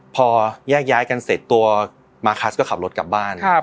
พอแยกย้ายกันเสร็จตัวมาคัสก็ขับรถกลับบ้าน